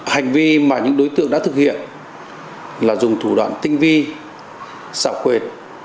hành vi mà những đối tượng đã thực hiện là dùng thủ đoạn tinh vi xạo khuệt